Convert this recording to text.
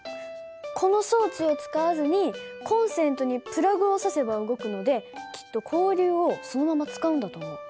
この装置を使わずにコンセントにプラグを差せば動くのできっと交流をそのまま使うんだと思う。